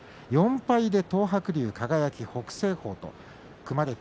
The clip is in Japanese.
４敗で東白龍、輝、北青鵬。